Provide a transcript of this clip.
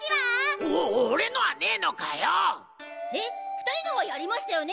２人のはやりましたよね